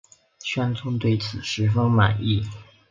宣宗对此十分满意。